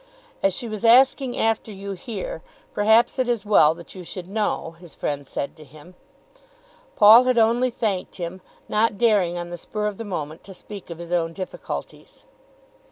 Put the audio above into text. "As she was asking after you here, perhaps it is as well that you should know," his friend said to him. Paul had only thanked him, not daring on the spur of the moment to speak of his own difficulties.